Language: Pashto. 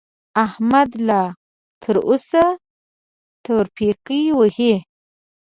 احمد لا تر اوسه ترپکې وهي.